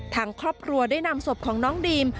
ทางครอบครัวได้นำศพของน้องดีม